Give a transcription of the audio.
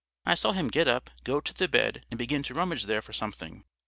I saw him get up, go to the bed, and begin to rummage there for something.